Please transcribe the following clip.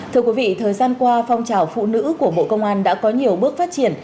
thưa quý vị thời gian qua phong trào phụ nữ của bộ công an đã có nhiều bước phát triển